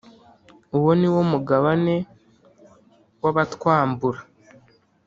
Uwo ni wo mugabane w’abatwambura,